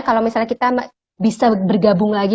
kalau misalnya kita bisa bergabung lagi